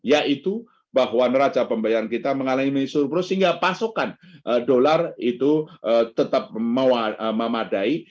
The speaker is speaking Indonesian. yaitu bahwa neraca pembayaran kita mengalami surplus sehingga pasokan dolar itu tetap memadai